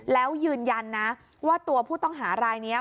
แล้วยืนยันนะว่าตัวผู้ต้องหารายนี้